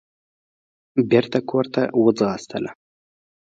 بېرته کورته وځغاستله.